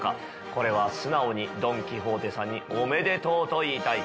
これは素直にドン・キホーテさんに「おめでとう」と言いたい。